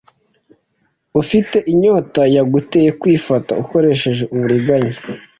ufite inyota yaguteye kwifata ukoresheje uburiganya